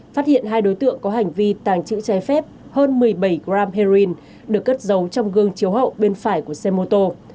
phát hiện hai đối tượng có hành vi tàng trữ trái phép hơn một mươi bảy gram heroin được cất giấu trong gương chiếu hậu bên phải của xe mô tô